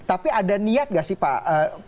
tapi ada niat nggak sih pak